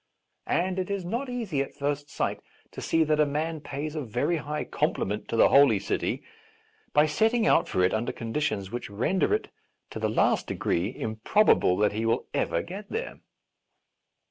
And it is not easy at first sight to see that a man pays a very high compliment to the Holy City by setting out for it under conditions which render it to the last de gree improbable that he will ever get there.